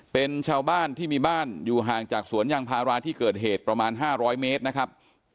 เป็นชาวบ้านที่มีบ้านอยู่ห่างจากสวนยางพาราที่เกิดเหตุประมาณ๕๐๐เมตรนะครับ